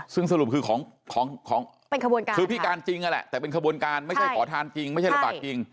ซึ่งสรุปคือของของเป็นขบวนการคือพิการจริงนั่นแหละแต่เป็นขบวนการไม่ใช่ขอทานจริงไม่ใช่ระบาดจริง